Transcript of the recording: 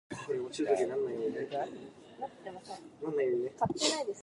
Later this fictional German was Russified to make the story more patriotic.